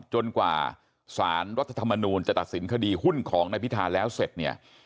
จนกว่าสารรัฐธรรมนูลจะตัดสินคดีหุ้นของนายพิธาแล้วเสร็จเนี่ย